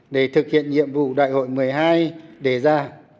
để thực hiện nhiệm vụ đại hội một mươi hai đề ra